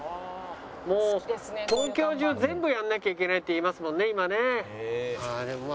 もう東京中全部やらなきゃいけないって言いますもんね今ね。